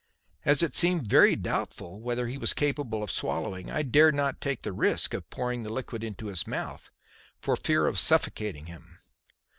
As it seemed very doubtful whether he was capable of swallowing, I dared not take the risk of pouring the liquid into his mouth for fear of suffocating him.